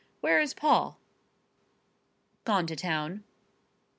Where is Paul?" "Gone to town."